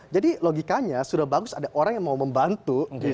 jadi logikanya sudah bagus ada orang yang mau membantu